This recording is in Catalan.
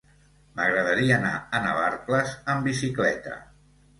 M'agradaria anar a Navarcles amb bicicleta.